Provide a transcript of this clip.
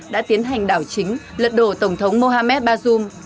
đã tiến hành đảo chính lật đổ tổng thống mohamed bazoum